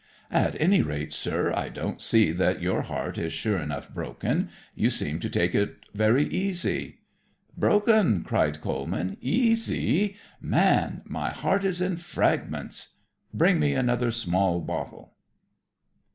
"At any rate, sir, I don't see that your heart is sure enough broken. You seem to take it very easy." "Broken!" cried Coleman. "Easy? Man, my heart is in fragments. Bring me another small bottle."